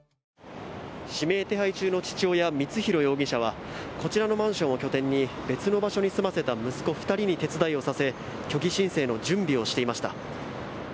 指名手配中の父親・光弘容疑者はこちらのマンションを拠点に別の場所に住ませた息子２人に手伝いをさせ虚偽申請の準備をしていました。